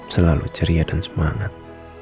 selalu ceria dan semangat